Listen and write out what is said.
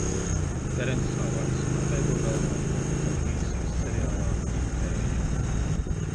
"Terenss Hauards atveido galveno lomu televīzijas seriālā "Impērija"."